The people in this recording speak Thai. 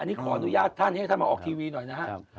อันนี้ขออนุญาตท่านให้ท่านมาออกทีวีหน่อยนะครับ